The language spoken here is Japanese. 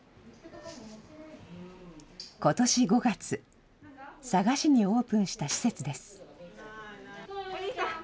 ことし５月、佐賀市にオープンした施設です。